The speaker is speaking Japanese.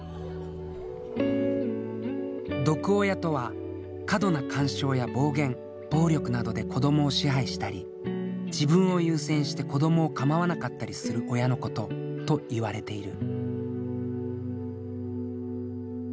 「毒親」とは過度な干渉や暴言・暴力などで子どもを支配したり自分を優先して子どもを構わなかったりする親のことといわれている。